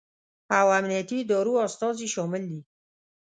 او امنیتي ادارو استازي شامل دي